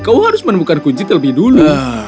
kau harus menemukan kunci terlebih dulu